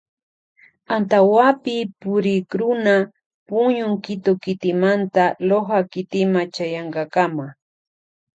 Antawapi purikruna puñun Quito kitimanta Loja kitima chayankakama.